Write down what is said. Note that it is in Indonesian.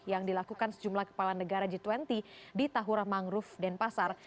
yang dilakukan sejumlah kepala negara g dua puluh di tahura mangrove denpasar